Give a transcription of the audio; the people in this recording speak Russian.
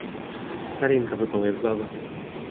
Соринка выпала из глазу.